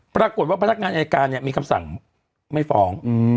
ปรากฏว่าพนักงานอายการมีคำสั่งไม่ฟ้อง